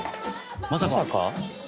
まさか。